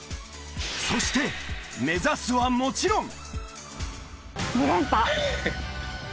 そして目指すはもちろん！